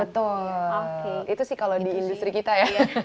betul itu sih kalau di industri kita ya